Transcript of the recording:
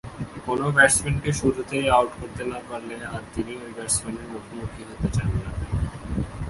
কোন ব্যাটসম্যানকে শুরুতেই আউট করতে না পারলে আর তিনি ঐ ব্যাটসম্যানের মুখোমুখি হতে চান না।